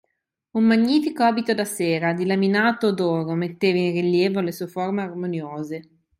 Un magnifico abito da sera, di laminato d'oro metteva in rilievo le sue forme armoniose